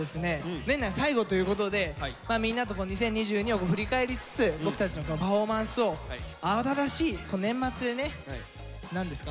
年内最後ということでみんなと２０２２を振り返りつつ僕たちのパフォーマンスを慌ただしい年末でね何ですか？